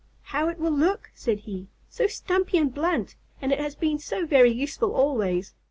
"How it will look!" said he. "So stumpy and blunt. And it has been so very useful always.